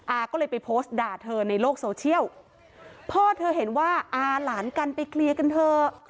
อาก็เลยไปโพสต์ด่าเธอในโลกโซเชียลพ่อเธอเห็นว่าอาหลานกันไปเคลียร์กันเถอะ